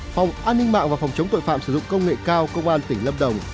phòng an ninh mạng và phòng chống tội phạm sử dụng công nghệ cao công an tỉnh lâm đồng